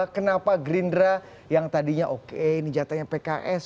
kenapa gerindra yang tadinya oke ini jatahnya pks